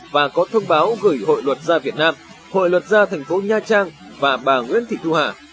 và có thông báo gửi hội luật gia việt nam hội luật gia thành phố nha trang và bà nguyễn thị thu hà